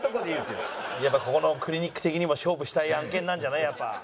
やっぱここのクリニック的にも勝負したい案件なんじゃない？